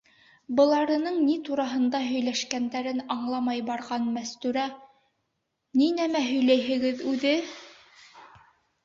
Быларҙың ни тураһында һөйләшкәндәрен аңламай барған Мәстүрә: - Ни нәмә һөйләйһегеҙ үҙе?